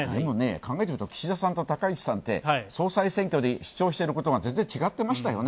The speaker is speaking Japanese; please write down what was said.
考えてみると岸田さんと高市さんで総裁選挙で主張していることが全然、違ってましたよね。